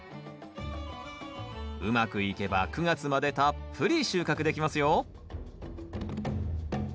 うまくいけば９月までたっぷり収穫できますよ